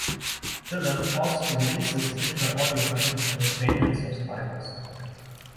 Dillon also releases additional audio content to his Patreon subscribers.